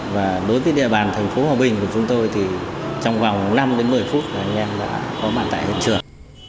và đối với địa bàn thành phố hòa bình của chúng tôi thì trong vòng năm đến một mươi phút là anh em đã có mặt tại hiện trường